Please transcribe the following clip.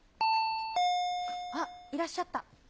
あっ、いらっしゃった。